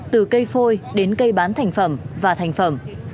từ cây phôi đến cây bán thành phẩm và thành phẩm